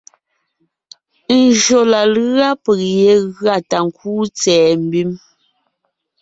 Njÿó la lʉ́a peg yé gʉa ta ńkúu tsɛ̀ɛ mbím,